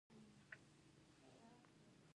اتم بست د چا لپاره دی؟